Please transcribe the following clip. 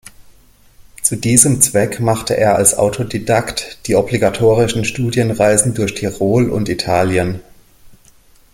Zu diesem Zweck machte er als Autodidakt die obligatorischen Studienreisen durch Tirol und Italien.